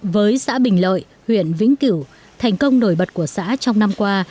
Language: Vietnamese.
với xã bình lợi huyện vĩnh cửu thành công nổi bật của xã trong năm qua